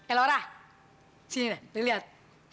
eh laura sini liat